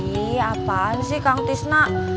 ini apaan sih kang tisna